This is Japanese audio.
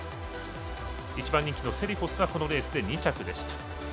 １番人気のセリフォスはこのレースで２着でした。